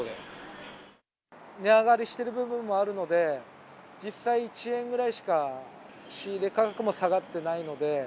値上がりしている部分もあるので、実際１円ぐらいしか仕入れ価格も下がってないので。